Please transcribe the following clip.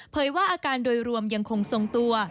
ว่าอาการโดยรวมยังคงทรงตัว